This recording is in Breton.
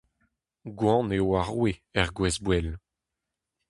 Gwan eo ar Roue er Gwezboell !